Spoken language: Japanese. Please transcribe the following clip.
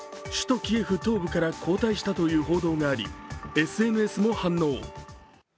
首都キエフ東部から後退したという報道があり、ＳＮＳも反応。